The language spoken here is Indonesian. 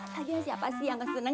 lagi ya siapa sih yang nggak senang